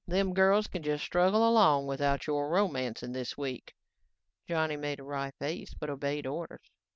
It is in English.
Them girls can just struggle along without your romancing this week." Johnny made a wry face but obeyed orders.